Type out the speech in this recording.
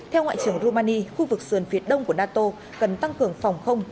theo ngoại trưởng rumani khu vực sườn phía đông của nato cần tăng cường phòng không